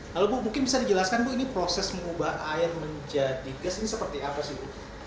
lalu bu mungkin bisa dijelaskan bu ini proses mengubah air menjadi gas ini seperti apa sih bu